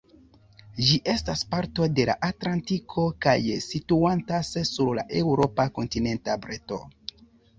Ĝi estas parto de la Atlantiko kaj situantas sur la eŭropa kontinenta breto.